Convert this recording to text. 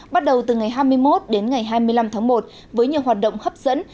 bắt đầu từ ngày hai mươi một đến ngày hai mươi năm tháng một với nhiều hoạt động hấp dẫn